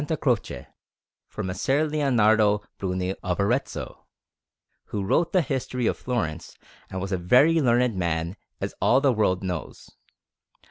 Croce for Messer Lionardo Bruni of Arezzo, who wrote the History of Florence and was a very learned man as all the world knows.